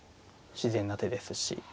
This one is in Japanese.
自然な手ですし。